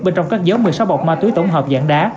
bên trong các dấu một mươi sáu bọc ma túy tổng hợp dạng đá